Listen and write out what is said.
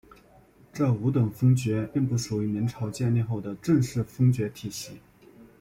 这五等封爵并不属于明朝建立后的正式封爵体系。